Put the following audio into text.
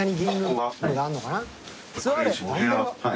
はい。